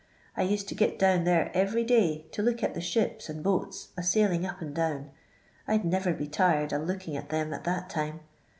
I used to git down there every day, to look at the ships and boats a sailing up and down ; I 'd niver bo tired a looking at them at that time.